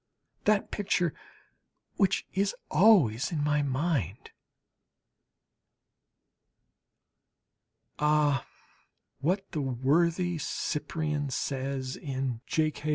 that picture which is always in my mind? Ah, what the worthy Cyprian says in J. K.